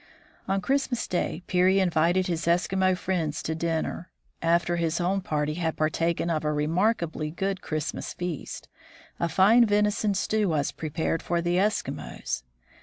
On Christmas Day, Peary invited his Eskimo friends to dinner. After his own party had partaken of a remark ably good Christmas feast, a fine venison stew was pre pared for the Eskimos.